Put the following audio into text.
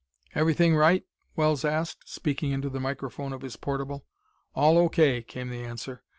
"Everything right?" Wells asked, speaking into the microphone of his portable. "All O.K.," came the answer.